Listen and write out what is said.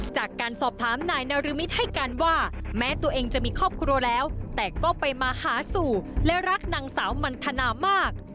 จากการสอบถามนายนรมิตให้การว่าแม้ตัวเองจะมีครอบครัวแล้วแต่ก็ไปมาหาสู่และรักนางสาวมันทนามาก